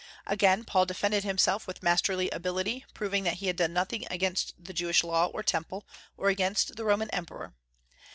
Again Paul defended himself with masterly ability, proving that he had done nothing against the Jewish law or Temple, or against the Roman Emperor.